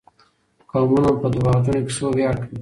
قومونه په دروغجنو کيسو وياړ کوي.